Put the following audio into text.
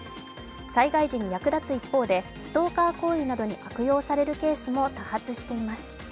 災害時に役立つ一方でストーカー行為などに悪用されるケースも多発しています。